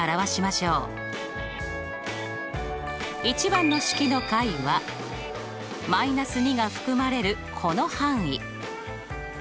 １番の式の解は−２が含まれるこの範囲。